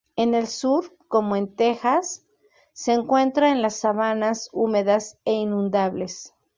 En el sur, como en Texas, se encuentra en las sabanas húmedas e inundables.